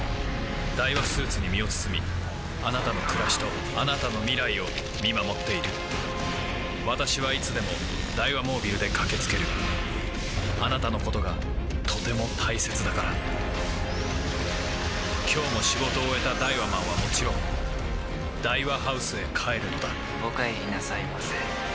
ダイワスーツに身を包みあなたの暮らしとあなたの未来を見守っている私はいつでもダイワモービルで駆け付けるあなたのことがとても大切だから今日も仕事を終えたダイワマンはもちろんダイワハウスへ帰るのだお帰りなさいませ。